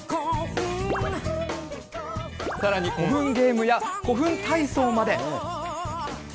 さらに古墳ゲームや、古墳体操まで。